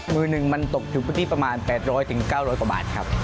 มือหนึ่งมันตกถึงพื้นที่ประมาณ๘๐๐๙๐๐กว่าบาทครับ